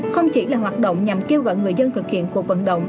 không chỉ là hoạt động nhằm kêu gọi người dân thực hiện cuộc vận động